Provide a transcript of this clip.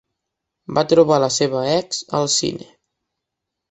Va trobar la seva ex al cine.